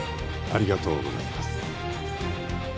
ありがとうございます。